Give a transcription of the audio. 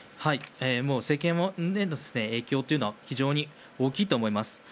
政権への影響というのは非常に大きいと思います。